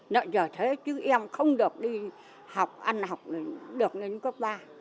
nói giờ thế chứ em không được đi học ăn học được đến cấp ba